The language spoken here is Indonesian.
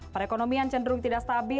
perekonomian cenderung tidak stabil